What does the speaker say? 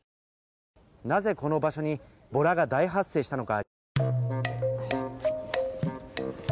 なぜこの場所にボラが大発生したのか。